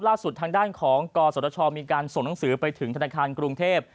ล่าสุดทางด้านของกศชมีการส่งหนังสือไปถึงธนาคารกรุงเทพ